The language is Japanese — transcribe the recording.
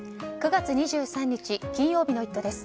９月２３日、金曜日の「イット！」です。